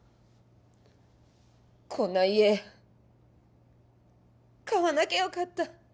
こんな家買わなきゃ良かった。